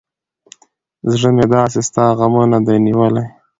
زړه مې داسې ستا غمونه دى نيولى.